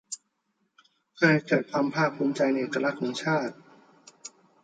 เพื่อให้เกิดความภาคภูมิใจในเอกลักษณ์ของชาติ